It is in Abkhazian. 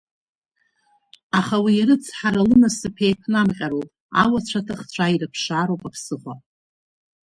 Аха уи арыцҳара лынасыԥ еиԥнамҟьароуп, ауацәа-аҭахцәа ирыԥшаароуп аԥсыхәа.